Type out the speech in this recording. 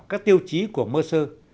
các tiêu chí của mercer